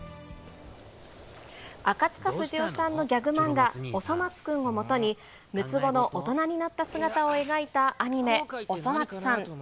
赤塚不二夫さんのギャグ漫画、おそ松くんをもとに、６つ子の大人になった姿を描いたアニメ、おそ松さん。